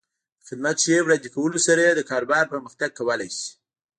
د خدمت ښې وړاندې کولو سره د کاروبار پرمختګ کولی شي.